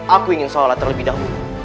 aku ingin sholat terlebih dahulu